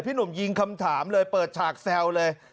หนุ่มยิงคำถามเลยเปิดฉากแซวเลย